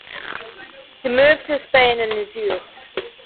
He moved to Spain in his youth.